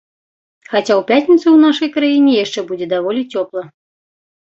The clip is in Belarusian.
Хаця ў пятніцу ў нашай краіне яшчэ будзе даволі цёпла.